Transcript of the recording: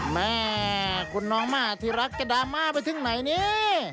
แม่คุณน้องม่าที่รักจะดราม่าไปถึงไหนนี่